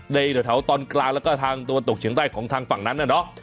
แถวตอนกลางแล้วก็ทางตะวันตกเฉียงใต้ของทางฝั่งนั้นน่ะเนอะ